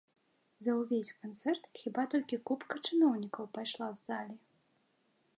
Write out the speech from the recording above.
За ўвесь канцэрт хіба толькі купка чыноўнікаў пайшла з залі.